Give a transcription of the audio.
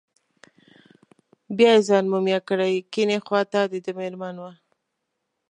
بیا یې ځان مومیا کړی، کیڼې خواته دده مېرمن وه.